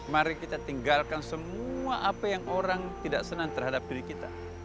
mari kita tinggalkan semua apa yang orang tidak senang terhadap diri kita